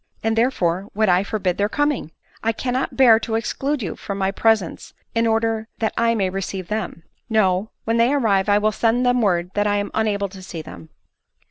" And therefore would I forbid their coming. I can not bear to occlude you from my presence in order that I e ADELINE MOWBRAt. 151 may receive them. No ; when they arrive, I will send them word that 1 am unable to see them."